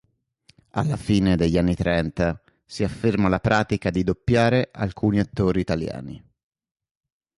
Alla fine degli anni trenta si afferma la pratica di doppiare alcuni attori italiani.